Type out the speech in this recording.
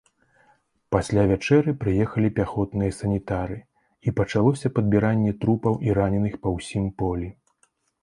Пасля вячэры прыехалі пяхотныя санітары, і пачалося падбіранне трупаў і раненых па ўсім полі.